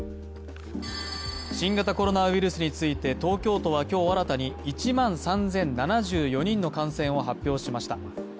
新型コロナウイルスについて東京都は今日新たに１万３０７４人の感染を発表しました。